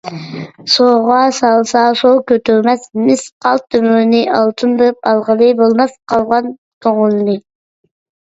سۇغا سالسا سۇ كۆتۈرمەس مىسقال تۆمۈرنى ئالتۇن بېرىپ ئالغىلى بولماس قالغان كۆڭۈلنى .